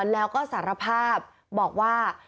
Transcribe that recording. แล้วก็สารภาพบอกว่า